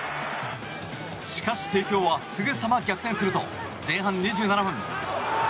しかし帝京はすぐさま逆転すると前半２７分。